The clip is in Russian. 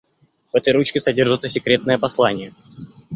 В этой ручке содержится секретное послание.